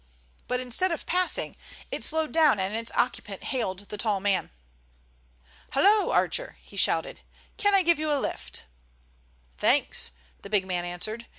But instead of passing, it slowed down and its occupant hailed the tall man. "Hallo, Archer," he shouted. "Can I give you a lift?" "Thanks," the big man answered.